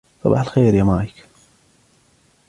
صباح الخير ، يا مايك